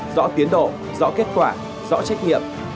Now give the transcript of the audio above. rõ tiến độ rõ kết quả rõ trách nhiệm